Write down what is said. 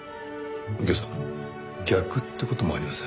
右京さん逆って事もありません？